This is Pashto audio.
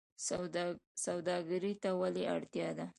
سوداګرۍ ته ولې اړتیا ده؟